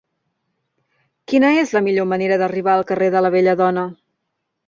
Quina és la millor manera d'arribar al carrer de la Belladona?